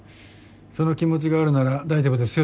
その気持ちがあるなら大丈夫ですよ